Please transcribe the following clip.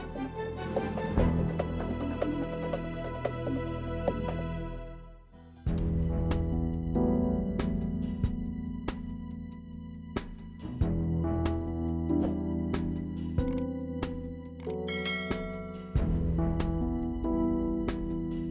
bapak jangan bapak